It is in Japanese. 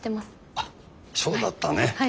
あっそうだったね。